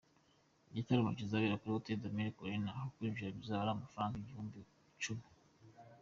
Igitaramo kizabera kuri Hôtel des Mille Collines aho kwinjira bizaba ari amafaranga ibihumbi icumi.